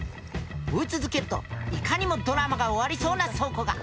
追い続けるといかにもドラマが終わりそうな倉庫が。